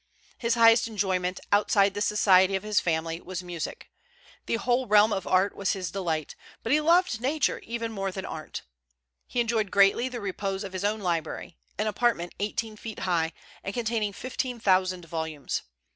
His highest enjoyment, outside the society of his family, was music. The whole realm of art was his delight; but he loved Nature more even than art. He enjoyed greatly the repose of his own library, an apartment eighteen feet high, and containing fifteen thousand volumes.